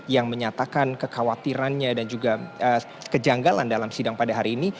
yang menyatakan kekhawatirannya dan juga kejanggalan dalam sidang pada hari ini